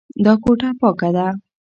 دا کوټه پاکه ده.